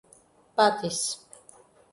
Patis